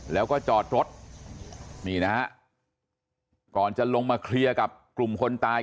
แล้วก็จอดรถนี่นะฮะก่อนจะลงมาเคลียร์กับกลุ่มคนตาย